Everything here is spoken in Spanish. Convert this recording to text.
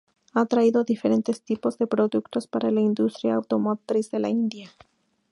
Ha traído diferentes tipos de productos para la industria automotriz de la India.